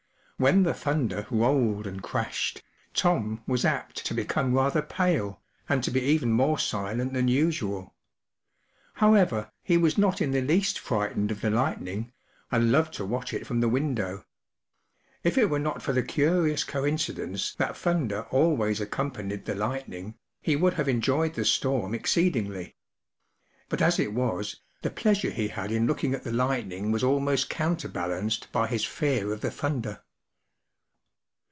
When the thunder rolled and crashed, Tom was apt to become rather pale, and to be even more silent than usual. However, he was not in the least frightened of the light ning, and loved to watch it from the window. If it were not for the curious coincidence that thunder always accompanied the light¬ ning, he would have enjoyed the storm exceedingly. But as it was, the pleasure he had in looking at the lightning was almost counterbalanced by his fear of the thunder.